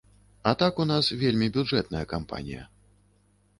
А так у нас вельмі бюджэтная кампанія.